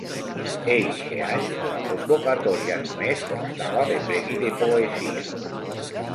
Eixe any la convocatòria només constava de premi de Poesia.